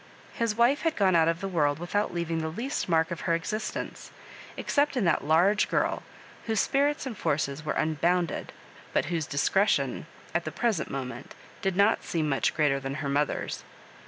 His wife had gone out of the world without leaving the least mark of her existence, except in that large girl, whose spirits and forces were unbounded, but whose, discre tion at the present moment did not seem much greater than her mother's.